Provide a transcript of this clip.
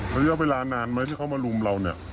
แล้วเวลานานไหมที่เขามารุมเรา